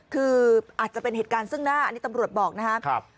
คืออาจจะเป็นเหตุการณ์ซึ่งหน้าอันนี้ตำรวจบอกนะครับ